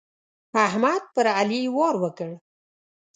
احمد پر علي وار وکړ.